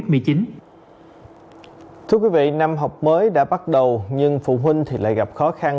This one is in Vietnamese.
thưa quý vị năm học mới đã bắt đầu nhưng phụ huynh thì lại gặp khó khăn